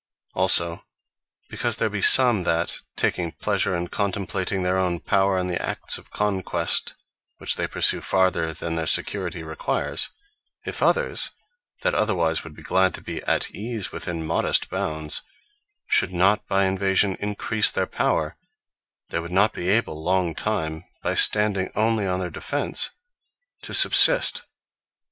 Also because there be some, that taking pleasure in contemplating their own power in the acts of conquest, which they pursue farther than their security requires; if others, that otherwise would be glad to be at ease within modest bounds, should not by invasion increase their power, they would not be able, long time, by standing only on their defence, to subsist.